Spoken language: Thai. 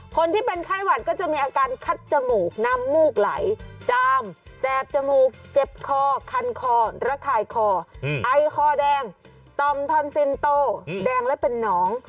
คนที่เป็นไข้หวัดก็จะมีอาการคัดจมูกน้ำมูกไหลจามแสบจมูกเจ็บคอคันคอระคายคอไอคอแดงต่อมทอนซินโตแดงและเป็นน้อง